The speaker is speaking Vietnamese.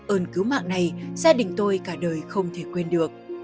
ơn cứu mạng này gia đình tôi cả đời không thể quên được